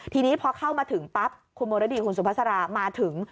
ทีนี้พอเข้ามาถึงปั๊บคุณมรดีคุณสุภาษามาถึง